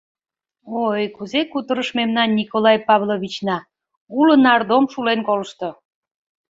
Ой, кузе кутырыш мемнан Николай Павловична — уло нардом шулен колышто.